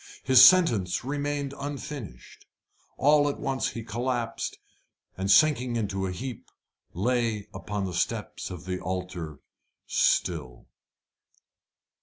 His sentence remained unfinished. All at once he collapsed, and, sinking into a heap, lay upon the steps of the altar still.